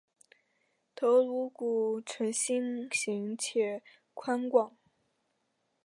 头颅骨呈心型且宽广。